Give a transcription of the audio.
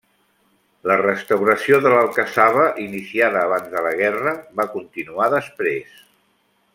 La restauració de l'alcassaba, iniciada abans de la guerra, va continuar després.